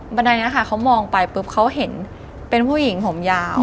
บันไดนี้ค่ะเขามองไปปุ๊บเขาเห็นเป็นผู้หญิงผมยาว